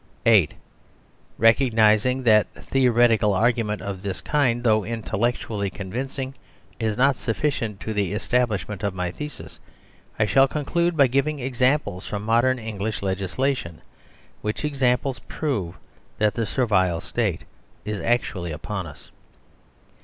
(8) Recognising that theoretical argument of this kind, though intellectually convincing, is not suffi 6 THE SUBJECT OF THIS BOOK cient to the establishment of my thesis, I shall con clude by giving examples from modern English leg islation, which examples prove that the Servile State is actually upon us.